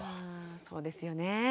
そうですよね。